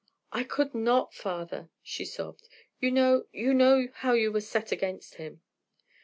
"I could not, father," she sobbed. "You know you know how you were set against him."